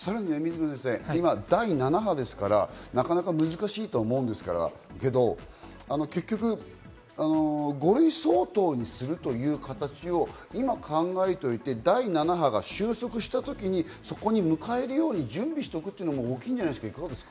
さらに水野先生、今第７波ですから難しいとは思いますが、結局、５類相当にするという形を今、考えといて、第７波が収束した時に、そこに向かえるように準備しておくのも大きいんじゃないですか？